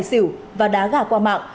lắc tài xỉu và đá gà qua mạng